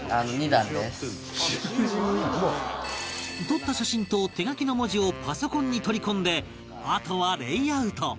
撮った写真と手書きの文字をパソコンに取り込んであとはレイアウト！